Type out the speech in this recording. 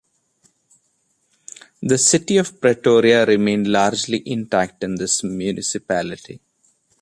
The city of Pretoria remained largely intact in this municipality.